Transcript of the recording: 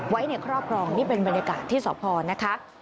ไว้ในครอบครองนี่เป็นบรรยากาศที่สพนะคะ